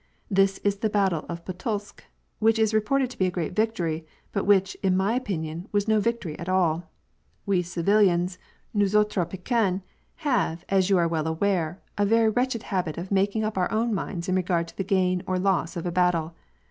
This is the battle of Pultusk, which Is reported to be a great victory, but which, in my opinion, was no victory at all. We civilians — nous aiUres pikin8 — have, as you are well aware, a very wretched habit of making up our own minds in regard to the gain or loss of a battle.